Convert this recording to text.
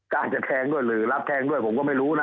กล้าจะแทงด้วยหรือรับแทงด้วยผมก็ไม่รู้นะ